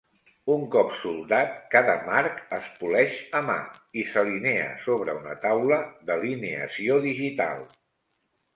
Un cop soldat, cada marc es poleix a mà i s'alinea sobre una taula d'alineació digital.